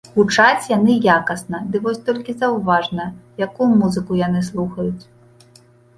Гучаць яны якасна, ды вось толькі заўважна, якую музыку яны слухаюць.